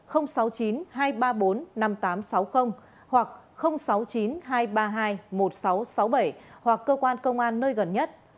hoặc sáu mươi chín hai trăm ba mươi hai một nghìn sáu trăm sáu mươi bảy hoặc cơ quan công an nơi gần nhất